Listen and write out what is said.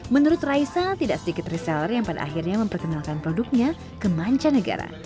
menurut raisa tidak sedikit reseller yang pada akhirnya memperkenalkan produknya ke mancanegara